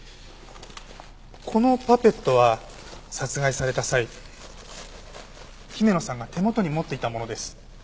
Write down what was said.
このパペットは殺害された際姫野さんが手元に持っていたものです。